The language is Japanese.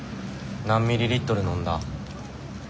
何ミリリットル飲んだ？